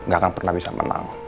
gak akan pernah bisa menang